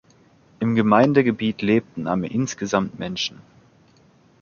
Im Gemeindegebiet lebten am insgesamt Menschen.